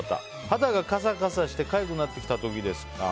肌がカサカサしてかゆくなってきた時です。